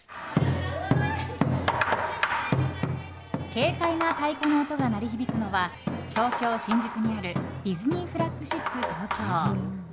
軽快な太鼓の音が鳴り響くのは東京・新宿にあるディズニーフラッグシップ東京。